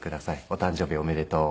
お誕生日おめでとう。